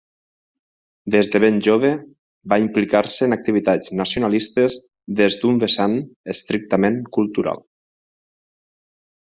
Des de ben jove va implicar-se en activitats nacionalistes des d'un vessant estrictament cultural.